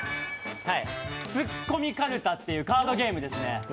「ツッコミかるた」というカードゲームですね。